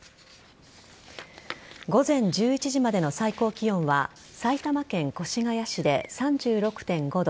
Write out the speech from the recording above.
午前１１時までの最高気温は埼玉県越谷市で３６．５度